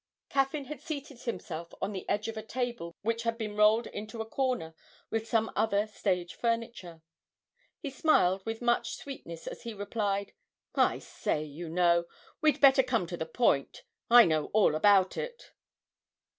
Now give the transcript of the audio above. Caffyn had seated himself on the edge of a table which had been rolled into a corner with some other stage furniture. He smiled with much sweetness as he replied, 'I say, you know, we'd better come to the point. I know all about it!'